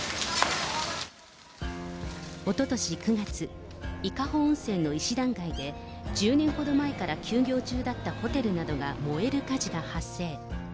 おととし９月、伊香保温泉の石段街で、１０年ほど前から休業中だったホテルなどが燃える火事が発生。